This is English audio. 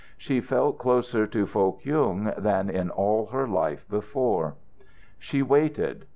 She felt closer to Foh Kyung than in all her life before. She waited.